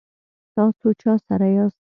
تاسو چا سره یاست؟